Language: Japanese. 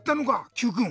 Ｑくん。